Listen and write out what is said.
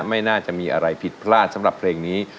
ไม่น่าจะมีอะไรผิดพลาดสำหรับเพลงนี้